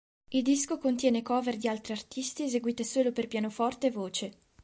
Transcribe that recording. Il disco contiene cover di altri artisti eseguite solo per pianoforte e voce.